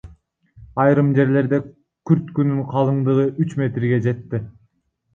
Айрым жерлерде күрткүнүн калыңдыгы үч метрге жетти.